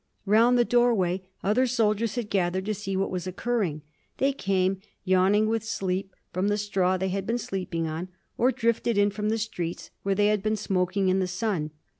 Round the doorway other soldiers had gathered to see what was occurring. They came, yawning with sleep, from the straw they had been sleeping on, or drifted in from the streets, where they had been smoking in the sun.